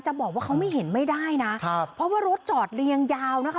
บอกว่าเขาไม่เห็นไม่ได้นะครับเพราะว่ารถจอดเรียงยาวนะคะ